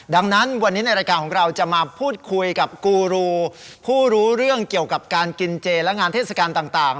ดังนั้นวันนี้ในรายการของเราจะมาพูดคุยกับกูรูผู้รู้เรื่องเกี่ยวกับการกินเจและงานเทศกาลต่าง